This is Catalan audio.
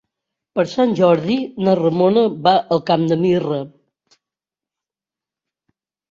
Per Sant Jordi na Ramona va al Camp de Mirra.